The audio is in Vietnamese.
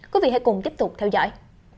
quý vị hãy cùng tiếp tục theo dõi